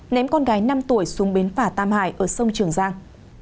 ném con gái năm tuổi xuống bến phà tam hải ở sông trường giang